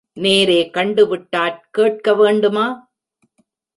நேரே கண்டு விட்டாற் கேட்க வேண்டுமா?